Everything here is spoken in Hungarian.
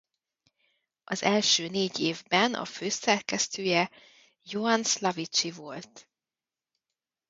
Az első négy évben a főszerkesztője Ioan Slavici volt.